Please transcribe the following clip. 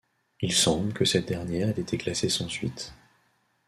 Il semble que cette dernière ait été classée sans suites.